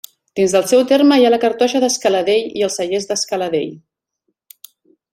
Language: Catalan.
Dins del seu terme hi ha la cartoixa d'Escaladei i els cellers de Scala Dei.